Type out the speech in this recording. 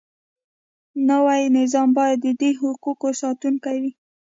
نوی نظام باید د دې حقوقو ساتونکی وي.